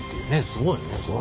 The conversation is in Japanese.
すごいね。